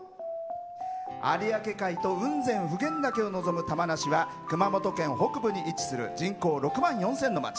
有明海と雲仙・普賢岳を望む玉名市は、熊本県北部に位置する人口６万４０００の町。